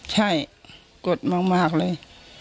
ใช่กดมากเลย